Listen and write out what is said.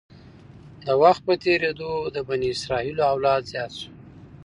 د وخت په تېرېدو د بني اسرایلو اولاد زیات شو.